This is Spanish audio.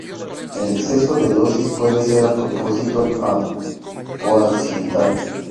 El exceso de dosis puede ser a propósito o accidental.